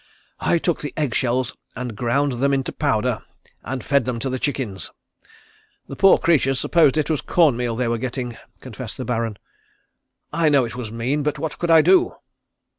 "I took the egg shells and ground them into powder, and fed them to the chickens. The poor creatures supposed it was corn meal they were getting," confessed the Baron. "I know it was mean, but what could I do?"